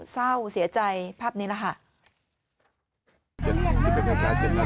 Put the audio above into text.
เศร้าเสียใจภาพนี้แหละค่ะ